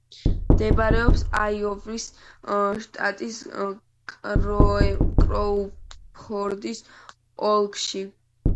მდებარეობს აიოვის შტატის კროუფორდის ოლქში.